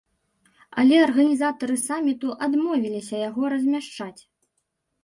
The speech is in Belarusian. Але арганізатары саміту адмовіліся яго размяшчаць.